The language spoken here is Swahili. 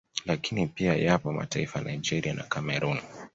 Lakini pia yapo mataifa ya Nigeria na Cameroon